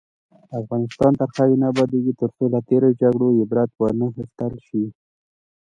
افغانستان تر هغو نه ابادیږي، ترڅو له تیرو جګړو عبرت وانخیستل شي.